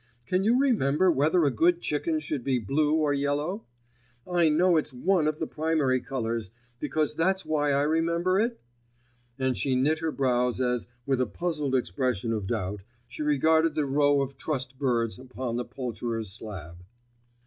Can you remember whether a good chicken should be blue or yellow? I know it's one of the primary colours, because that's why I remember it?" And she knit her brows as, with a puzzled expression of doubt, she regarded the row of trussed birds upon the poulterer's slab.